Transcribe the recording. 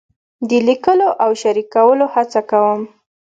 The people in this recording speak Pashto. د لیکلو او شریکولو هڅه کوم.